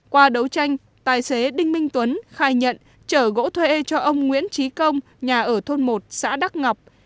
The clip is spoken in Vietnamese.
qua đấu tranh tài xế đinh minh tuấn khai nhận chở gỗ thuê cho ông nguyễn trí công nhà ở thôn một xã đắc ngọc